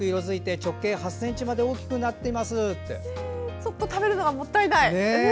ちょっと食べるのがもったいない。